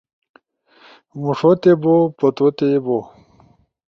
مُوݜوتے بو پتوتے بو